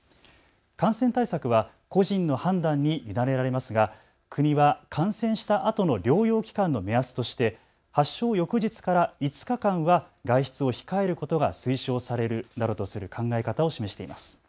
感染対策は個人の判断に委ねられますが国は感染したあとの療養期間の目安として発症翌日から５日間は外出を控えることが推奨されるなどとする考え方を示しています。